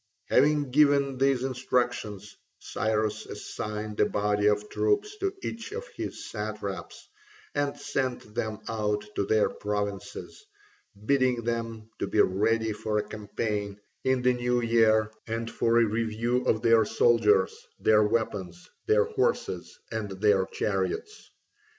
Having given these instructions, Cyrus assigned a body of troops to each of his satraps, and sent them out to their provinces, bidding them to be ready for a campaign in the new year and for a review of their soldiers, their weapons, their horses, and their chariots.